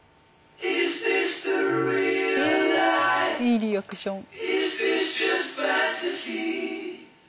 いいリアクション。